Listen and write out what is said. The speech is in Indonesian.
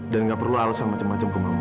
dan gak perlu alesan macem macem ke mama